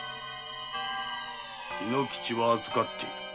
猪之吉は預かっている。